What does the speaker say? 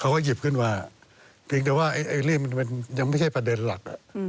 เขาก็หยิบขึ้นมาเพียงแต่ว่าเรื่องมันยังไม่ใช่ประเด็นหลัก